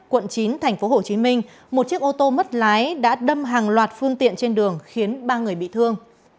quận chín tp hcm một chiếc ô tô mất lái đã đâm hàng loạt phương tiện trên đường khiến ba người bị thương